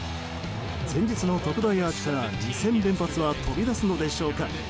前日の特大アーチから２戦連発は飛び出すのでしょうか。